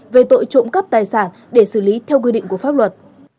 về tội trộm cắp tài sản để xử lý theo quy định của pháp luật